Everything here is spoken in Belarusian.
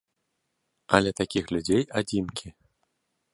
Але такіх людзей адзінкі.